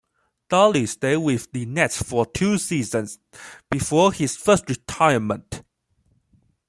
Daly stayed with the Nets for two seasons, before his first retirement.